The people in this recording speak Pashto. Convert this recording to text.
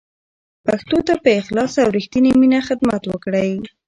پښتو ته په اخلاص او رښتینې مینه خدمت وکړئ.